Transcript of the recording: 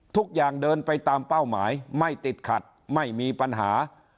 ทุกอย่างเดินไปตามเป้าหมายไม่ติดขัดไม่มีปัญหา